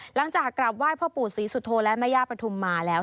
หลังจากกลับไหว้พ่อปู่ศรีสุโธและแม่ย่าปฐุมมาแล้ว